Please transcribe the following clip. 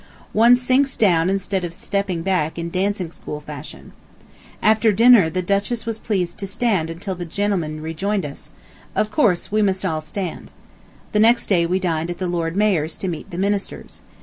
One sinks down instead of stepping back in dancing school fashion. After dinner the Duchess was pleased to stand until the gentlemen rejoined us; of course, we must all stand. ... The next day we dined at the Lord Mayor's to meet the Ministers.